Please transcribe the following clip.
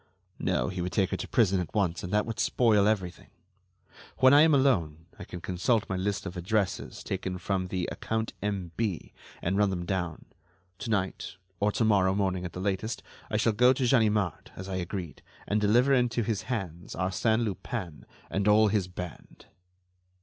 No, he would take her to prison at once, and that would spoil everything. When I am alone, I can consult my list of addresses taken from the 'account M.B.,' and run them down. To night, or to morrow morning at the latest, I shall go to Ganimard, as I agreed, and deliver into his hands Arsène Lupin and all his band."